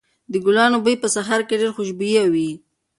د ګلانو بوی په سهار کې ډېر خوشبويه وي.